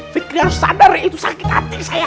fikri harus sadar itu sakit hati saya